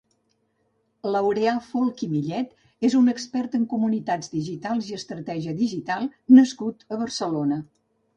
Laureà Folch i Millet és un expert en comunitats digitals i estratègia digital nascut a Barcelona.